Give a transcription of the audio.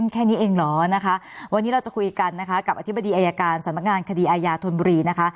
แค่นี้เองเหรอนะคะวันนี้เราจะคุยกันนะคะกับอธิบดีอายการสำนักงานคดีอายาธนบุรีนะคะ